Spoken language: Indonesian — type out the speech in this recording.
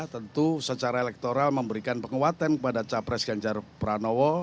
tentu secara elektoral memberikan penguatan kepada cawa pres ganjar panowo